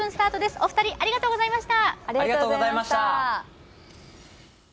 お二人ありがとうございました。